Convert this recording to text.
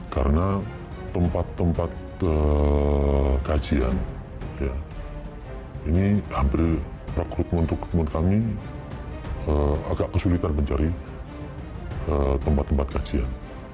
karena tempat tempat kajian ini hampir rekrutmen untuk tempat kami agak kesulitan mencari tempat tempat kajian